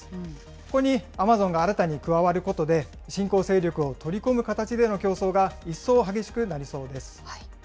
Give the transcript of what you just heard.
ここにアマゾンが新たに加わることで、新興勢力を取り込む形での競争が一層激しくなりそうです。